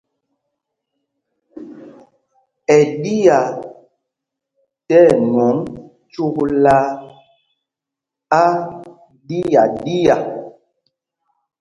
Ɛ ɗiá tí ɛnwɔŋ cúklá áɗiaɗiá.